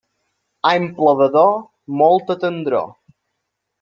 Any plovedor, molta tendror.